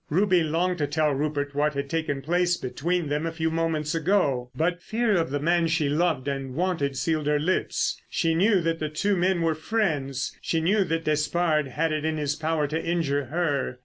Ruby longed to tell Rupert what had taken place between them a few moments ago. But fear of the man she loved and wanted sealed her lips. She knew that the two men were friends. She knew that Despard had it in his power to injure her.